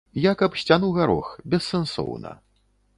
Як аб сцяну гарох, бессэнсоўна.